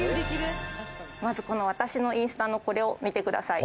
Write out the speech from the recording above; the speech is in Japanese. まず、この私のインスタのこれを見てください。